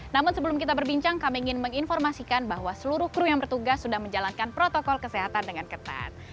namun sebelum kita berbincang kami ingin menginformasikan bahwa seluruh kru yang bertugas sudah menjalankan protokol kesehatan dengan ketat